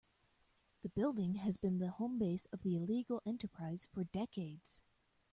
The building has been the home base of the illegal enterprise for decades.